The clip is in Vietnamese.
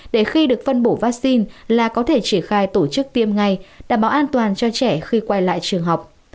để khi được phân bổ vaccine là có thể triển khai tổ chức tiêm ngay đảm bảo an toàn cho trẻ khi quay lại trường học